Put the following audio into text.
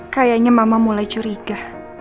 kayaknya mama mulai curiga